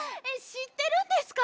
しってるんですか？